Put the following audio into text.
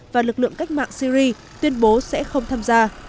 và lực lượng cách mạng syri tuyên bố sẽ không tham gia